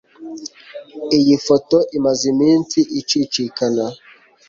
Iyi foto imaze iminsi icicikana